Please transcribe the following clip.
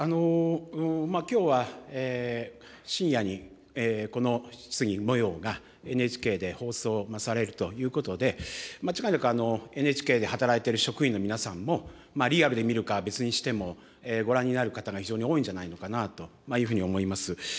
きょうは深夜に、この質疑もようがＮＨＫで放送されるということで、間違いなく、ＮＨＫで働いてる職員の皆さんも、リアルで見るかは別にしても、ご覧になる方が非常に多いんじゃないのかなというふうに思います。